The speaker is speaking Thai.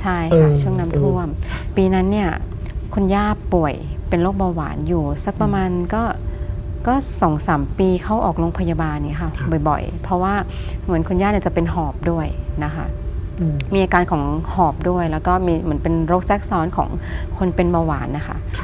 ใช่ค่ะช่วงน้ำท่วมปีนั้นเนี่ยคุณย่าป่วยเป็นโรคเบาหวานอยู่สักประมาณก็๒๓ปีเข้าออกโรงพยาบาลนี้ค่ะบ่อยเพราะว่าเหมือนคุณย่าเนี่ยจะเป็นหอบด้วยนะคะมีอาการของหอบด้วยแล้วก็มีเหมือนเป็นโรคแทรกซ้อนของคนเป็นเบาหวานนะคะ